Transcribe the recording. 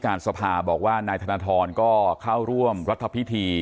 เพื่อยุดยั้งการสืบทอดอำนาจของขอสอชอต่อและยังพร้อมจะเป็นนายกรัฐมนตรี